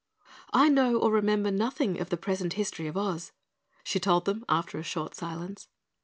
"I know or remember nothing of the present history of Oz," she told them after a short silence.